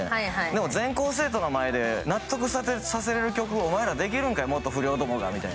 でも全校生徒の前で感動させる演奏がお前らできるんかい、元不良どもがって。